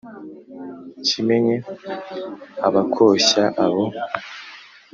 kimenyi abakoshya abo